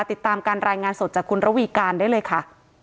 ติดตามการรายงานสดจากคุณระวีการได้เลยค่ะ